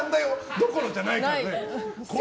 どころじゃないからね。